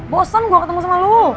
bosen gue ketemu sama lo